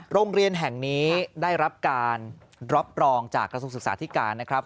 โรงเรียนแห่งนี้ได้รับการรับรองจากกระทรวงศึกษาธิการนะครับ